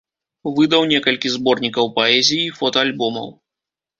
Выдаў некалькі зборнікаў паэзіі і фотаальбомаў.